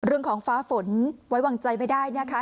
เรื่องของฟ้าฝนไว้วางใจไม่ได้นะคะ